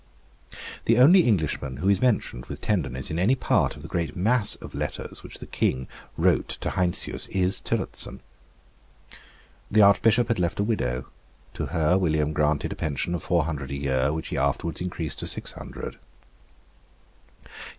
The only Englishman who is mentioned with tenderness in any part of the great mass of letters which the King wrote to Heinsius is Tillotson. The Archbishop had left a widow. To her William granted a pension of four hundred a year, which he afterwards increased to six hundred.